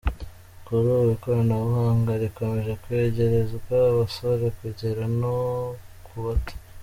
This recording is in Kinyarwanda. Kuri ubu ikoranabuhanga rikomeje kwegerezwa abasora kugera no ku bato.